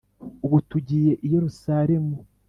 Ubu tugiye i yerusalemu